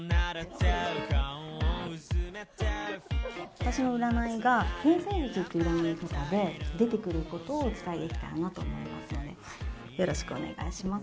私の占いが天星術っていう占い方で出てくることをお伝えできたらなと思いますのでよろしくお願いします。